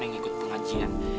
yang ikut pengajian